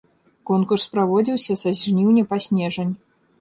Конкурс праводзіўся са жніўня па снежань.